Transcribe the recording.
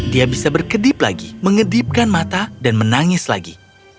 dia bisa berkedip lagi mengedipkan mata dan menangis lagi